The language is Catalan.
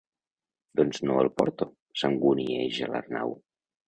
Doncs no els porto —s'angunieja l'Arnau—.